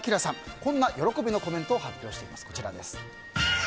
こんな喜びのコメントを発表しています。